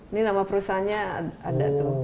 ini nama perusahaannya ada tuh